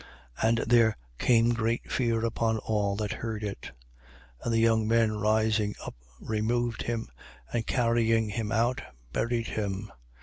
And there came great fear upon all that heard it. 5:6. And the young men rising up, removed him, and carrying him out, buried him.